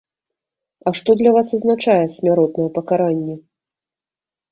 А што для вас азначае смяротнае пакаранне?